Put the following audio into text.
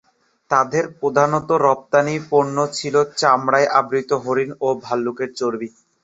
তাদের প্রধান রপ্তানি পণ্য ছিল চামড়ায় আবৃত হরিণ ও ভাল্লুকের চর্বি।